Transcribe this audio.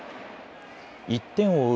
１点を追う